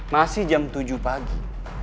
masih jam tujuh pagi